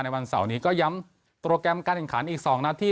ในวันเส้านี้ก็ย้ำโปรแกรมการเห็นขานอีกสองนัดที่